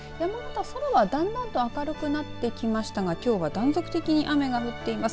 空は、だんだんと明るくなってきましたがきょうは断続的に雨が降っています。